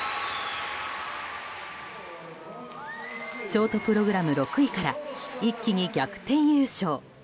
ショートプログラム６位から一気に逆転優勝。